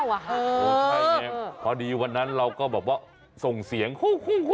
ใช่ไงพอดีวันนั้นเราก็บอกว่าส่งเสียงฮุ